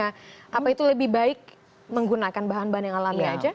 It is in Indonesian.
apa itu lebih baik menggunakan bahan bahan yang alami aja